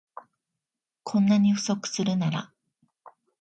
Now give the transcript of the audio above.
こんなに不足するなら